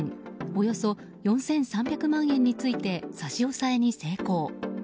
およそ４３００万円について差し押さえに成功。